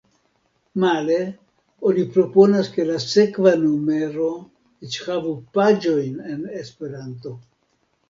Male oni proponas, ke la sekva numero eĉ havu paĝojn en Esperanto.